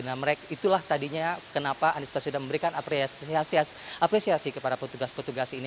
nah itulah tadinya kenapa anies baswedan memberikan apresiasi kepada petugas petugas ini